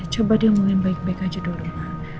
coba diomongin baik baik aja dulu ma